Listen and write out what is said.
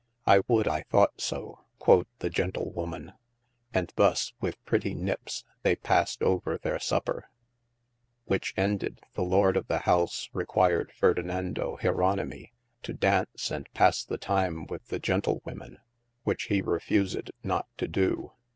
I would I thought so, quod the gentle woman. And thus with prety nyppes, they passed over their supper : which ended, the Lord of the house required Ferdinando 395 THE ADVENTURES Jeronimi to daunce and passe the time with the gentlewomen, which he refused not to doe.